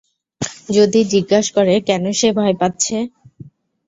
যদি জিজ্ঞেস করে কেন সে ভয় পাচ্ছে?